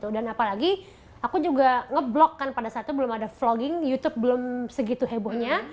dan apalagi aku juga nge blog kan pada saat itu belum ada vlogging youtube belum segitu hebohnya